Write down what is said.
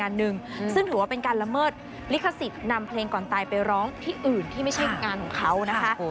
ซึ่งถือว่าเป็นการละเมิดลิขสิทธิ์นำเพลงก่อนตายไปร้องที่อื่นที่ไม่ใช่งานของเขานะคะ